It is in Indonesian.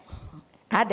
ada kan sudah